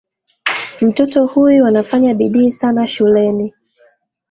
Mtoto huyu anafanya bidii sana shuleni.